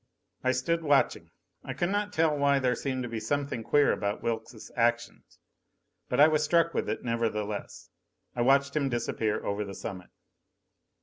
I stood watching. I could not tell why there seemed to be something queer about Wilks' actions. But I was struck with it, nevertheless. I watched him disappear over the summit.